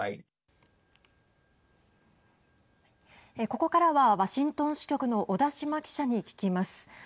ここからは、ワシントン支局の小田島記者に聞きます。